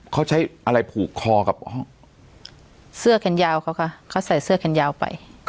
เขาใช้อะไรผูกคอกับห้องเสื้อกันยาวเขาค่ะเขาใส่เสื้อกันยาวไป